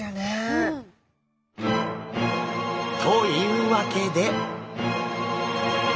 うん。というわけで！